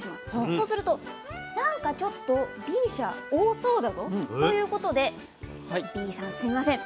そうするとなんかちょっとＢ社多そうだぞということで「Ｂさんすいません。